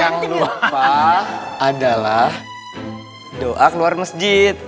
yang lupa adalah doa keluar masjid